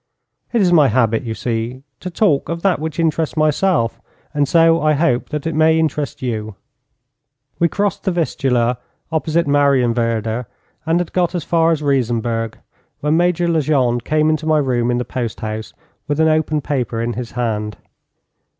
It is my habit, you see, to talk of that which interests myself and so I hope that I may interest you. We crossed the Vistula opposite Marienwerder, and had got as far as Riesenberg, when Major Legendre came into my room in the post house with an open paper in his hand.